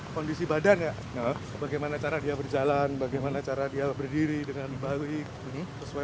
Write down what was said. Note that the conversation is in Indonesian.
kondisi badan ya bagaimana cara dia berjalan bagaimana cara dia berdiri dengan baik sesuai